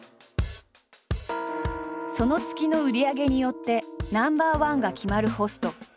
その月の売り上げによってナンバーワンが決まるホスト。